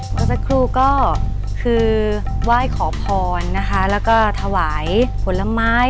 เมื่อสักครู่ก็คือไหว้ขอพรนะคะแล้วก็ถวายผลไม้